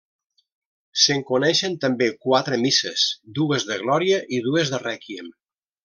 Se'n coneixen també quatre misses, dues de glòria i dues de rèquiem.